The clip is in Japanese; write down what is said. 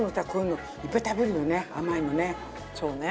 そうね。